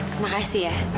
terima kasih ya